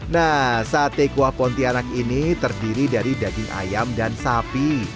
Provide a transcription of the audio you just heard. nah sate kuah pontianak ini terdiri dari daging ayam dan sapi